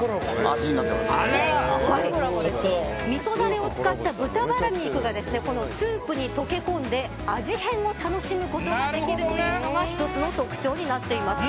味噌ダレを使った豚バラ肉がスープに溶け込んで、味変を楽しむことができるというのが１つの特徴になっています。